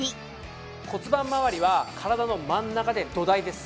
骨盤まわりは体の真ん中で土台です。